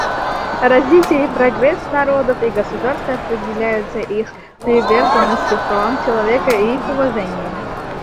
Развитие и прогресс народов и государств определяются их приверженностью правам человека и их уважением.